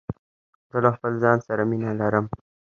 زه له خپل ځان سره مینه لرم.